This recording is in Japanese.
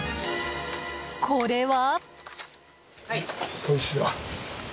これは。